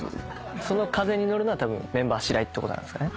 その風に乗るのはたぶんメンバー次第ってことなんすかね。